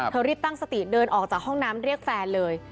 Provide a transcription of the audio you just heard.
รีบตั้งสติเดินออกจากห้องน้ำเรียกแฟนเลย